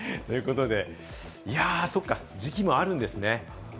そうか、時期もあるんですね。